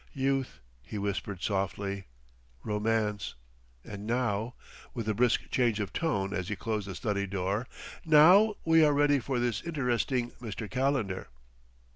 "Youth!" he whispered softly. "Romance!... And now," with a brisk change of tone as he closed the study door, "now we are ready for this interesting Mr. Calendar."